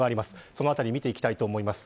そのあたり見ていきます。